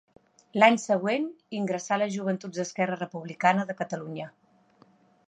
L'any següent ingressà a les Joventuts d'Esquerra Republicana de Catalunya.